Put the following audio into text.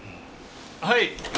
はい。